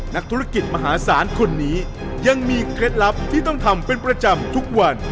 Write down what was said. นักธุรกิจมหาศาลคนนี้ยังมีเคล็ดลับที่ต้องทำเป็นประจำทุกวัน